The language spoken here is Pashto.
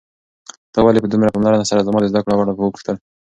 تا ولې په دومره پاملرنې سره زما د زده کړو په اړه وپوښتل؟